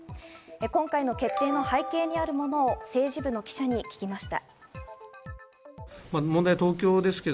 今回の決定の背景にあるものを政治部の記者に聞きました。